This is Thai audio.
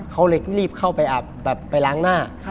เขาเลยรีบเข้าไปอาบแบบไปล้างหน้า